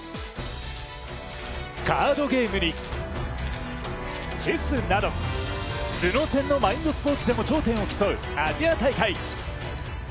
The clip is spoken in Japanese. カードゲームにチェスなど頭脳戦のマインドスポーツでも頂点を競うアジア大会。